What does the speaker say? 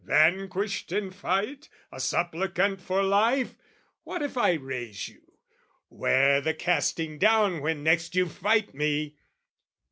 "Vanquished in fight, a supplicant for life? "What if I raise you? 'Ware the casting down "When next you fight me!"